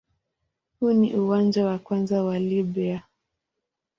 Huu ni uwanja wa kwanza wa Libya.